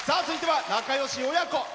続いては仲よし親子。